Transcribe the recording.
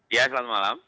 ya selamat malam